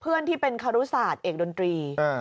เพื่อนที่เป็นคารุศาจเอกดนตรี